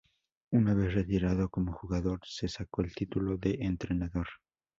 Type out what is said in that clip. Una vez retirado como jugador se sacó el título de entrenador.